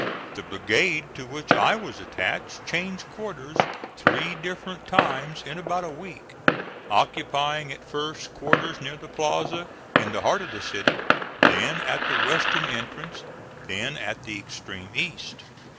The brigade to which I was attached changed quarters three different times in about a week, occupying at first quarters near the plaza, in the heart of the city; then at the western entrance; then at the extreme east.